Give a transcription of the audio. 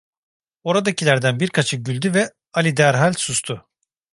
Oradakilerden birkaçı güldü ve Ali derhal sustu.